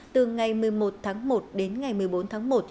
từ ngày một mươi một tháng một đến ngày một mươi bốn tháng một